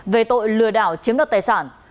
về tội lừa đảo chiếm đợt tài sản